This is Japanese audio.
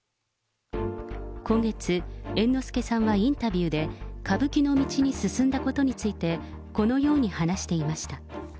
今月、猿之助さんはインタビューで、歌舞伎の道に進んだことについて、このように話していました。